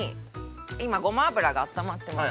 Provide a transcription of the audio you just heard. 今ごま油が温まっています。